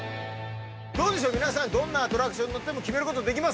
皆さんどんなアトラクションに乗ってもキメることできますか？